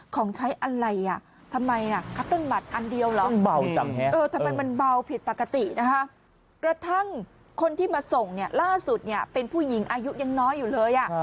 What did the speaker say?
กระทั่งคนที่มาส่งเนี่ยล่าสุดอย่างเป็นผู้หญิงอายุยังน้อยอยู่เลย